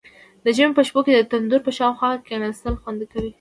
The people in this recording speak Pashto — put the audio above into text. د ژمي په شپو کې د تندور په شاوخوا کیناستل خوند کوي.